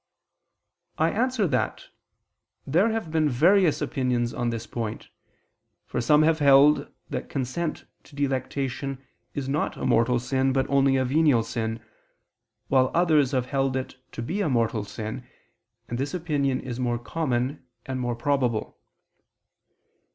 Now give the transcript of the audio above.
I answer that, There have been various opinions on this point, for some have held that consent to delectation is not a mortal sin, but only a venial sin, while others have held it to be a mortal sin, and this opinion is more common and more probable.